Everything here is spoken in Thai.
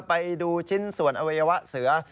ไปดูชิ้นส่วนอวัยวะเสือ